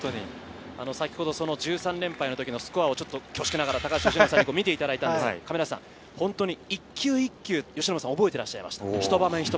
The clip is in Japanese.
１３連敗の時のスコアを恐縮ながら、高橋由伸さんに見ていただいたんですけれど、一球一球、由伸さん、覚えてらっしゃいました。